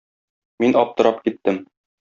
Мин аптырап киттем.